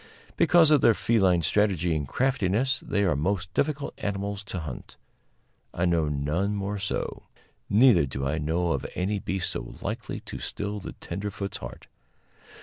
Because of their feline strategy and craftiness, they are most difficult animals to hunt; I know none more so. Neither do I know of any beast so likely to still the tenderfoot's heart.